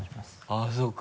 あぁそうか。